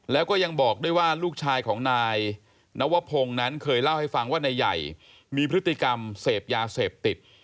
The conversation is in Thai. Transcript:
แล้วก็ยังบอกด้วยว่าลูกชายของนายนวพงศ์นั้นเคยเล่าให้ฟังว่านายใหญ่มีพฤติกรรมเสพยาเสพติด